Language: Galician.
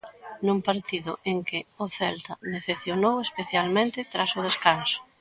Nun partido en que o Celta decepcionou especialmente tras o descanso.